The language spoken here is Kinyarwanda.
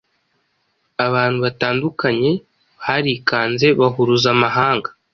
abantu batandukanye barikanze bahuruza amahanga ,